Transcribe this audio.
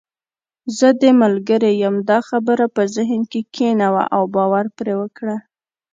زه دې ملګرې یم، دا خبره په ذهن کې کښېنوه او باور پرې وکړه.